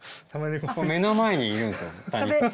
目の前にいるんですよ谷川さん